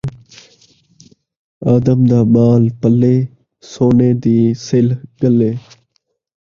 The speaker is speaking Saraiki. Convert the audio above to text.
آدم دا ٻال پلے، سونے دی سلھ ڳلے